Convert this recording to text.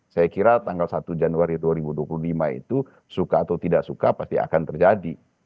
saya kira tanggal satu januari dua ribu dua puluh lima itu suka atau tidak suka pasti akan terjadi